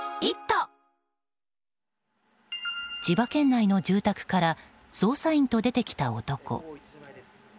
千葉県内の住宅から捜査員と出てきた男。